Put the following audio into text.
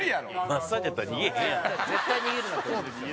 「マッサージだったら逃げへんよ」？